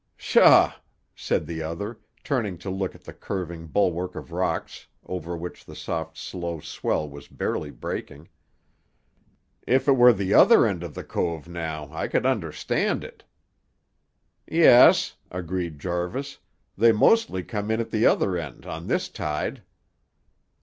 "Pshaw!" said the other, turning to look at the curving bulwark of rocks over which the soft slow swell was barely breaking. "If it were the other end of the cove, now, I could understand it." "Yes," agreed Jarvis, "they mostly come in at the other end, on this tide."